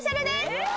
えっ？